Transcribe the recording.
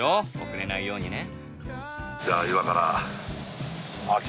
遅れないようにね。